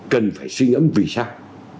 cần phải suy ngẫm vì sao